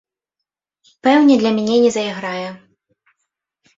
Пэўне для мяне не зайграе.